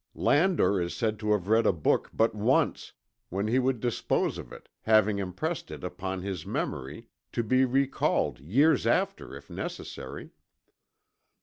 Landor is said to have read a book but once, when he would dispose of it, having impressed it upon his memory, to be recalled years after, if necessary.